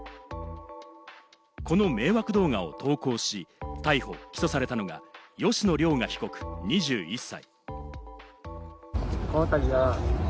この迷惑動画を投稿し、逮捕・起訴されていたのが吉野凌雅被告、２１歳。